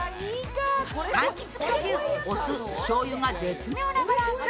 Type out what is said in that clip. かんきつ果汁、お酢、しょうゆが絶妙なバランス。